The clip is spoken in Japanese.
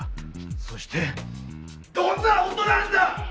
そしてどんな音なんだ！